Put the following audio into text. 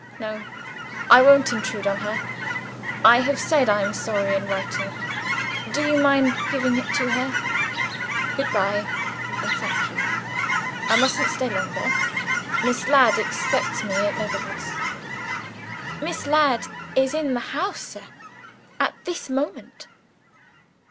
No: I won't intrude on her; I have said I am sorry, in writing. Do you mind giving it to her? Good by and thank you. I mustn't stay longer; Miss Ladd expects me at Netherwoods." "Miss Ladd is in the house, sir, at this moment."